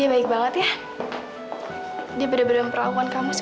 dia baik banget ya dia benar benar memperlakukan kamu seperti itu